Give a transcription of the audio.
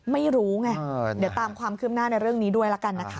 ไม่รู้ไงเดี๋ยวตามความคืบหน้าในเรื่องนี้ด้วยละกันนะคะ